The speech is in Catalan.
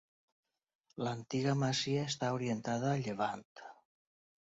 L'antiga masia està orientada a llevant.